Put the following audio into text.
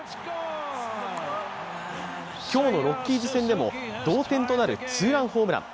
今日のロッキーズ戦でも同点となるツーランホームラン。